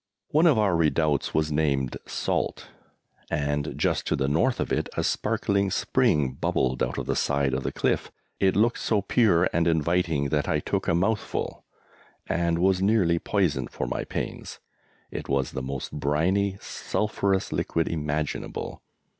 One of our redoubts was named "Salt," and just to the north of it a sparkling spring bubbled out of the side of the cliff. It looked so pure and inviting that I took a mouthful, and was nearly poisoned for my pains. It was the most briny, sulphurous liquid imaginable.